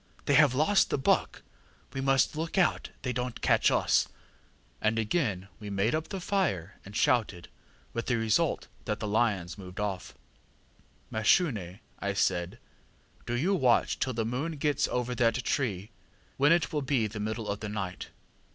They have lost the buck; we must look out they donŌĆÖt catch us. ŌĆÖ And again we made up the fire, and shouted, with the result that the lions moved off. ŌĆ£ŌĆśMashune, ŌĆÖ I said, ŌĆśdo you watch till the moon gets over that tree, when it will be the middle of the night.